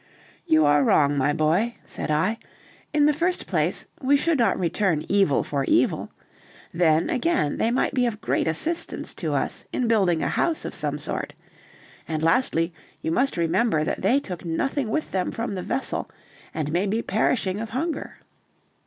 "You are wrong, my boy," said I. "In the first place, we should not return evil for evil; then, again, they might be of great assistance to us in building a house of some sort; and lastly, you must remember that they took nothing with them from the vessel, and may be perishing of hunger."